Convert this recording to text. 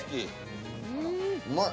うまい。